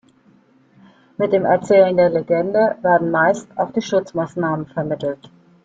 Mit dem Erzählen der Legende werden meist auch die Schutzmaßnahmen vermittelt.